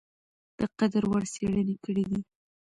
د قدر وړ څېړني کړي دي ۔